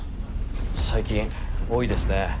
最近多いですね。